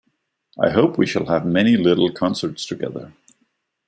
I hope we shall have many little concerts together.